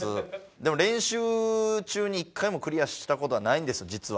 でも練習中に１回もクリアした事はないんです実は。